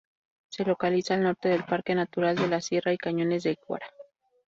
Se localiza al norte del Parque Natural de la Sierra y Cañones de Guara.